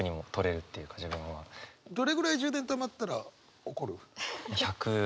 どれぐらい充電たまったら怒る？